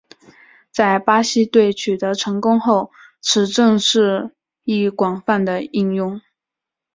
在巴西队取得成功后此阵式亦广泛地应用。